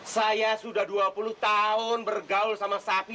saya sudah dua puluh tahun bergaul sama safi